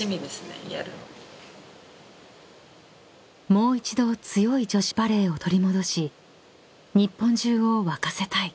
［もう一度強い女子バレーを取り戻し日本中を沸かせたい］